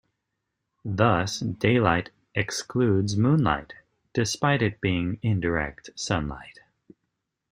Thus, daylight excludes moonlight, despite it being indirect sunlight.